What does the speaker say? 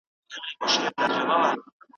هر وخت چي مو وس کېږي نېکي وکړئ.